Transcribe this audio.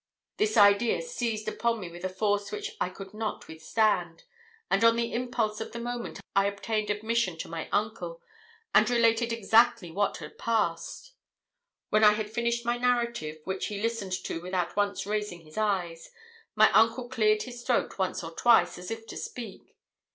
This idea seized upon me with a force which I could not withstand; and on the impulse of the moment I obtained admission to my uncle, and related exactly what had passed. When I had finished my narrative, which he listened to without once raising his eyes, my uncle cleared his throat once or twice, as if to speak.